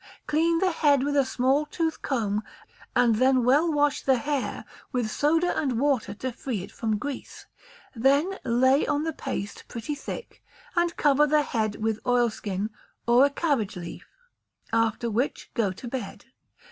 Clean the head with a small tooth comb, and then well wash the hair with soda and water to free it from grease; then lay on the paste pretty thick, and cover the head with oilskin or a cabbage leaf, after which go to bed.